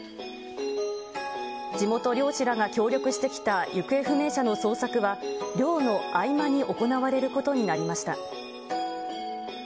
地元漁師らが協力してきた行方不明者の捜索は、漁の合間に行われることになりました。